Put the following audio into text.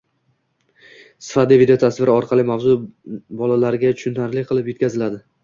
sifatli videotasvir orqali mavzu bolalarga tushunarli qilib yetkaziladi